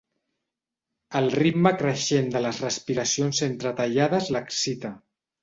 El ritme creixent de les respiracions entretallades l'excita.